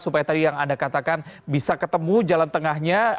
supaya tadi yang anda katakan bisa ketemu jalan tengahnya